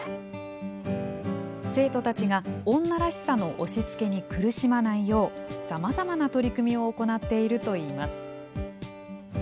生徒たちが女らしさの押しつけに苦しまないようさまざまな取り組みを行っているといいます。